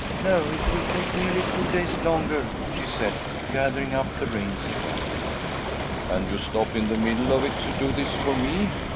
"No, it will take nearly two days longer," she said, gathering up the reins again. "And you stopped in the middle of it to do this for me!"